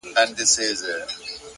هره ورځ د نوې لاسته راوړنې چانس لري.!